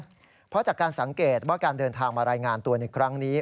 เพราะจากการสังเกตว่าการเดินทางมารายงานตัวในครั้งนี้